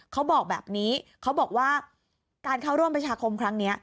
เขาบอกแบบนี้เขาบอกว่าการเข้าร่วมประชาคมครั้งนี้